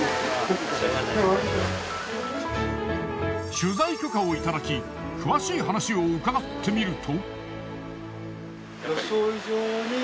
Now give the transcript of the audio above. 取材許可をいただき詳しい話を伺ってみると。